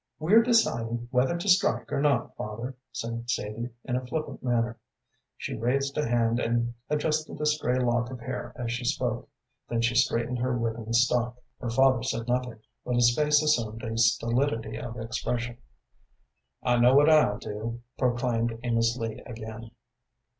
"We're deciding whether to strike or not, father," said Sadie, in a flippant manner. She raised a hand and adjusted a stray lock of hair as she spoke, then she straightened her ribbon stock. Her father said nothing, but his face assumed a stolidity of expression. "I know what I'll do," proclaimed Amos Lee again.